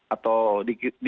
atau diistilahkan menjadi